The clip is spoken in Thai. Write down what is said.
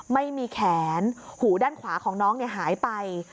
ไม่มีแขนหูด้านขวาของน้องหายไป